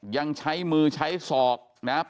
ยังใช้มือใช้ศอกนะครับ